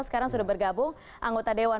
sekarang sudah bergabung anggota dewan